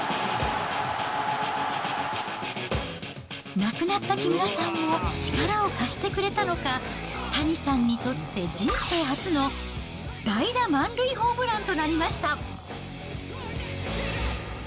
亡くなった木村さんも力を貸してくれたのか、谷さんにとって人生初の代打満塁ホームランとなりました。